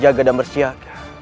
kita berjaga dan bersiaga